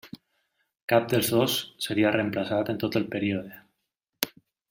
Cap dels dos seria reemplaçat en tot el període.